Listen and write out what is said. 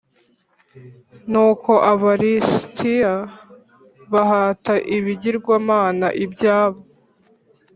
Nuko Aba lisitiya bahata ibigirwamana i byabo